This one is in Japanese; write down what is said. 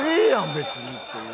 別にっていう。